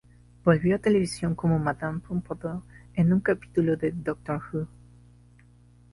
Volvió a televisión como Madame Pompadour en un capítulo de "Doctor Who".